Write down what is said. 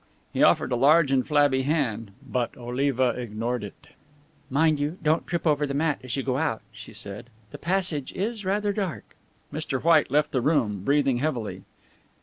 He offered a large and flabby hand, but Oliva ignored it. "Mind you don't trip over the mat as you go out," she said, "the passage is rather dark." Mr. White left the room, breathing heavily.